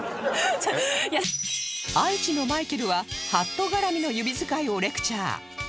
愛知のマイケルはハット絡みの指づかいをレクチャー